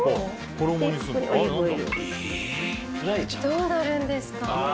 どうなるんですか？